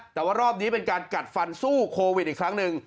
แต่ว่ารอบนี้เป็นการกัดฟันสู้โควิดอีกครั้งหนึ่ง